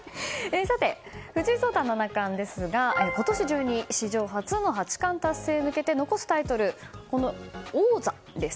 さて、藤井聡太七冠ですが今年中に史上初の八冠達成に向けて残すタイトル、王座です。